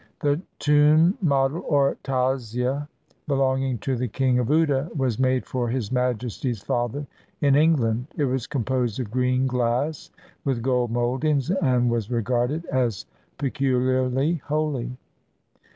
The tomb model, or tazia, belong ing to the King of Oude, was made for His Majesty's father in England; it was composed of green glass with gold mouldings, and was regarded as peculiarly holy.